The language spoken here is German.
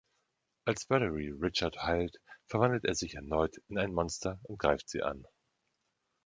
Als Valerie Richard heilt, verwandelt er sich erneut in ein Monster und greift sie an.